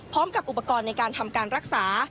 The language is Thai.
พร้อมกับอุปกรณ์ในการทำการรักษา